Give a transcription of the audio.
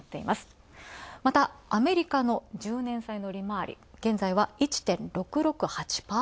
またアメリカの１０年の利回り現在は１．６６８％。